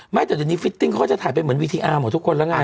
ไม่แต่วันนี้ฟิตติ้งก็จะถ่ายเป็นเหมือนวีทีอาร์มของทุกคนแล้วไง